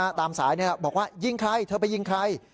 ตอบตามสายเนี่ยฮะบอกว่ายิงใครเธอไปยิงใคร